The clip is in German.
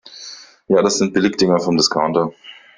Ja, das sind Billigdinger vom Discounter.